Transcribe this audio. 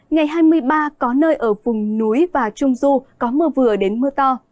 ngày hai mươi ba có nơi ở vùng núi và trung du có mưa vừa đến mưa to